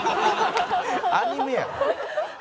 アニメや。